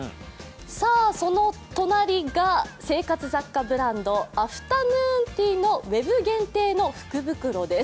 その隣が生活雑貨ブランド、アフターヌーンティーのウェブ限定の福袋です。